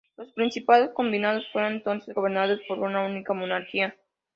Los Principados combinados fueron entonces gobernados por una única monarquía.